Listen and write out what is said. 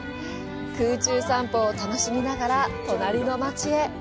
空中散歩を楽しみながら、隣の街へ。